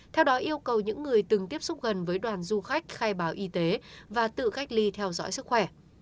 theo đó yêu cầu những người từng tiếp xúc gần với đoàn du khách khai báo y tế và tự cách ly theo dõi sức khỏe